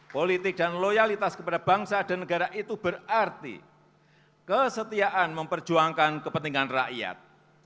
politik dan loyalitas kepada bangsa dan negara itu berarti kesetiaan memperjuangkan kepentingan rakyat